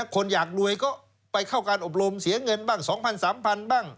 คนอยากรวยก็ไปเข้าการอบรมเสียเงินบ้าง๒๐๐๓๐๐บ้าง